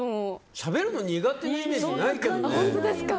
しゃべるの苦手なイメージないけどね。